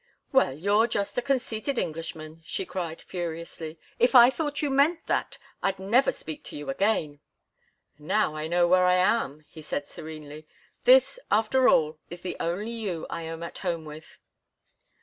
"Well, you're just a conceited Englishman!" she cried, furiously. "If I thought you meant that I'd never speak to you again!" "Now I know where I am," he said, serenely. "This, after all, is the only you I am at home with."